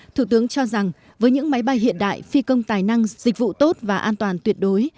thủ tướng cho rằng với những máy bay hiện đại phi công tài năng dịch vụ tốt và an toàn tuyệt đối